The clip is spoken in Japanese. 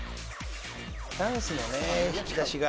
ダンスの引き出しが。